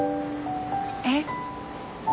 えっ？